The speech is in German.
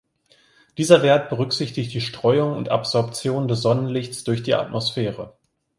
Dieser Wert berücksichtigt die Streuung und Absorption des Sonnenlichts durch die Atmosphäre.